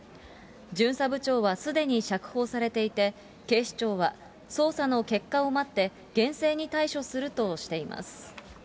巡査部長はすでに釈放されていて、警視庁は、捜査の結果を待って、厳正に対処するとしています。